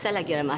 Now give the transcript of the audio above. saya lagi ramah